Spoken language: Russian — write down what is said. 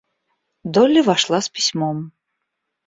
Долли вошла с письмом.